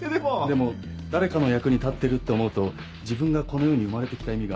でも誰かの役に立ってるって思うと自分がこの世に生まれてきた意味が。